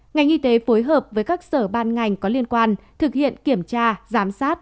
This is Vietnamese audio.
ngành y tế phối hợp với các sở ban ngành có liên quan thực hiện kiểm tra giám sát